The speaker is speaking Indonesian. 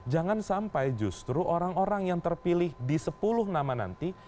jangan sampai justru orang orang yang terpilih di sepuluh nama nanti